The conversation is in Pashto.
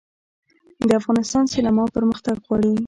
د افغانستان سینما پرمختګ غواړي